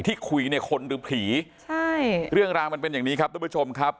ที่คุยเนี่ยคนหรือผีใช่เรื่องราวมันเป็นอย่างนี้ครับทุกผู้ชมครับ